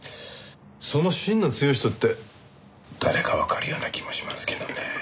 その芯の強い人って誰かわかるような気もしますけどね。